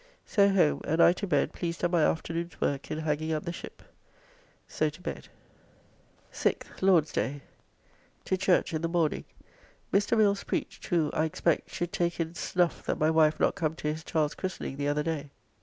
So home and I to bed pleased at my afternoon's work in hanging up the shipp. So to bed. 6th (Lord's day). To church in the morning; Mr. Mills preached, who, I expect, should take in snuffe [anger] that my wife not come to his child's christening the other day.